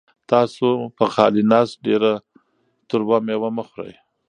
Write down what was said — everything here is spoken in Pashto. تاسو په خالي نس ډېره تروه مېوه مه خورئ.